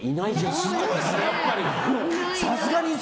すごいですね、やっぱり！